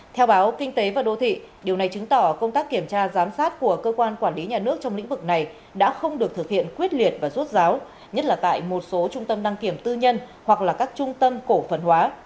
theo báo kinh tế và đô thị điều này chứng tỏ công tác kiểm tra giám sát của cơ quan quản lý nhà nước trong lĩnh vực này đã không được thực hiện quyết liệt và rốt ráo nhất là tại một số trung tâm đăng kiểm tư nhân hoặc là các trung tâm cổ phần hóa